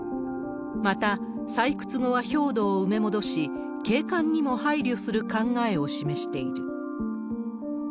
また、採掘後は表土を埋め戻し、景観にも配慮する考えを示している。